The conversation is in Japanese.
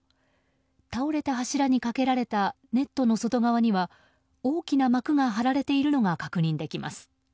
倒れた柱にかけられたネットの外側には大きな幕が張られているのが確認できます。